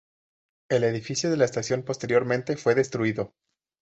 El edificio de la estación posteriormente fue destruido.